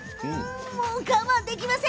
もう我慢できません！